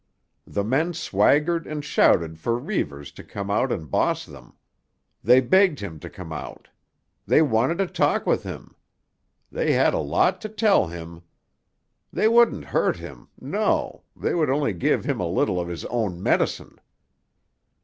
The men swaggered and shouted for Reivers to come out and boss them. They begged him to come out. They wanted to talk with him. They had a lot to tell him. They wouldn't hurt him—no, they would only give him a little of his own medicine!